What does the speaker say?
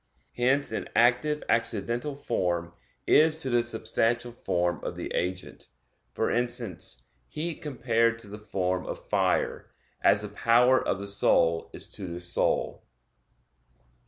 Hence an active accidental form is to the substantial form of the agent (for instance, heat compared to the form of fire) as the power of the soul is to the soul.